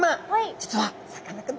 実はさかなクン